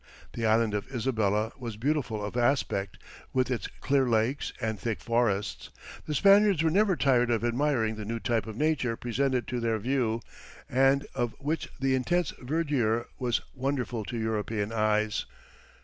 The island of Isabella was beautiful of aspect, with its clear lakes, and thick forests; the Spaniards were never tired of admiring the new type of nature presented to their view, and of which the intense verdure was wonderful to European eyes.